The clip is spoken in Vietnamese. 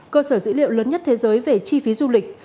cơ sở dữ liệu lớn nhất thế giới về chi phí du lịch